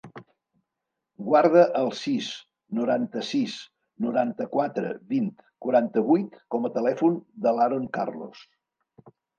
Guarda el sis, noranta-sis, noranta-quatre, vint, quaranta-vuit com a telèfon de l'Haron Carlos.